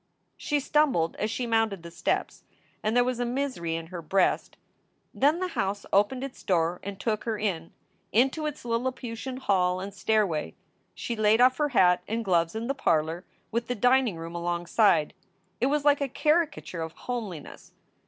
She stumbled as she mounted the steps, and there was a misery in her breast. Then the house opened its door and took her in, into its Lilliputian hall and stairway. She laid off her hat and gloves in the parlor, with the dining room alongside. It was like a caricature of homeliness.